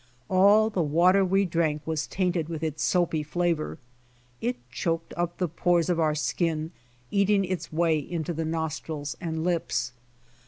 All the water we drank was tainted with its soapy flavor. It choked up the pores of our skin, eating its way into the nostrils and lips.